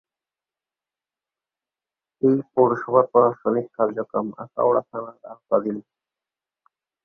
এ পৌরসভার প্রশাসনিক কার্যক্রম আখাউড়া থানার আওতাধীন।